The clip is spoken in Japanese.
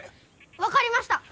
分かりました。